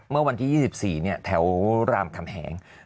เมื่อวันที่๒๔แถวรามคำแหง